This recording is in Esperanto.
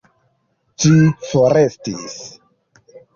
Ĝi forestis.